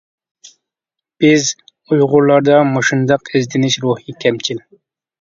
بىز ئۇيغۇرلاردا مۇشۇنداق ئىزدىنىش روھى كەمچىل.